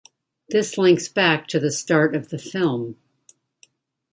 This links back to the start of the film.